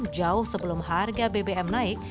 jauh sebelum harga bbm naik